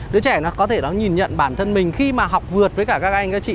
đứa trẻ có thể nhìn nhận bản thân mình khi mà học vượt với các anh các chị